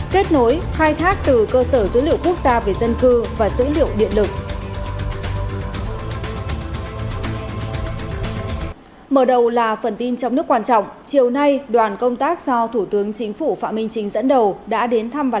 xin chào các bạn